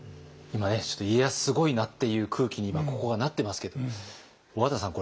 今ねちょっと家康すごいなっていう空気にここがなってますけども小和田さん